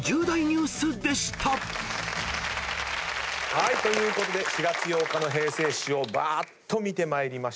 ［以上］ということで４月８日の平成史をばーっと見てまいりました。